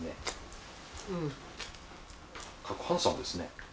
ハンサムですね。